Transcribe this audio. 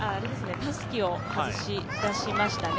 たすきを外し出しましたね。